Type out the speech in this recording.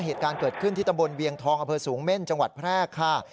เหตุการณ์เกิดขึ้นที่ตำบลเวียงทองอำเภอสูงเม่นจังหวัดแพร่ค่ะ